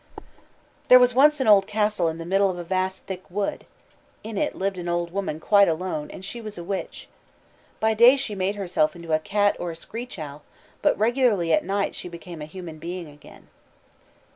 "There was once an old castle in the middle of a vast thick wood; in it lived an old woman quite alone, and she was a witch. By day she made herself into a cat or a screech owl, but regularly at night she became a human being again."